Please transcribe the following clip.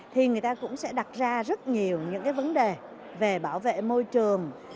thì người ta cũng sẽ đặt ra rất nhiều những cái vấn đề về bảo vệ môi trường